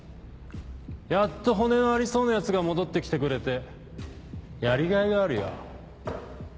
やっと骨のありそうなヤツが戻って来てくれてやりがいがあるよ。